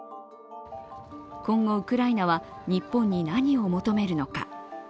今後、ウクライナは日本に何を求めるのか。